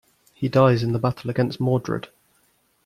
He dies in the battle against Mordred.